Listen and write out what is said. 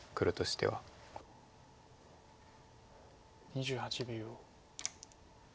２８秒。